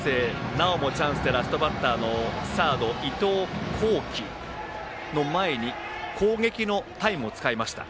なおもチャンスでラストバッターのサード伊藤光輝の前に攻撃のタイムを使いました